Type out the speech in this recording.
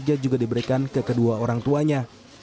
uang sakit juga diberikan ke kedua orang tuanya